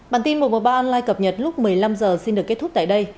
bản tin một trăm một mươi ba online cập nhật lúc một mươi năm h xin được kết thúc tại đây